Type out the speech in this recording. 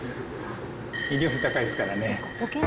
医療費高いですからね。